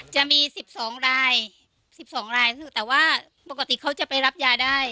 จะมีสิบสองลายสิบสองลายแต่ว่าปกติเขาจะไปรับยายได้